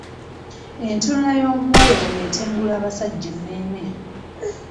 Entunula y'omuwala oyo etengula abasajja emmeeme.